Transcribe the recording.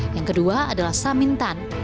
yang kedua adalah samin tan